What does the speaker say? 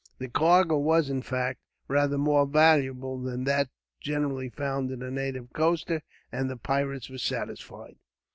The cargo was, in fact, rather more valuable than that generally found in a native coaster, and the pirates were satisfied.